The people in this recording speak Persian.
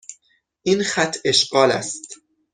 این خط اشغال است.